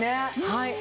はい。